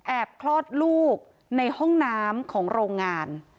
คลอดลูกในห้องน้ำของโรงงาน